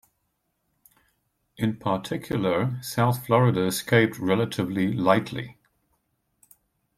In particular, South Florida escaped relatively lightly.